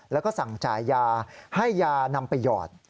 แล้วก็สั่งจ่ายยาให้ยานำไปหยอด